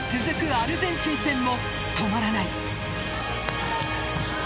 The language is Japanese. アルゼンチン戦も止まらない。